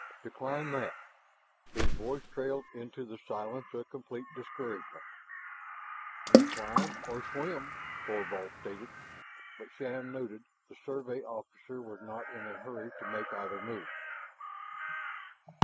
"To climb that...." His voice trailed into the silence of complete discouragement. "You climb or swim," Thorvald stated. But, Shann noted, the Survey officer was not in a hurry to make either move.